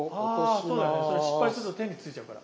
そうだね失敗すると手についちゃうから。